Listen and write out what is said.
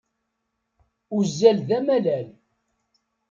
Uzzal d amalal.